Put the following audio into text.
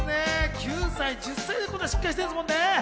９歳、１０歳でこんなしっかりしてるんですもんね。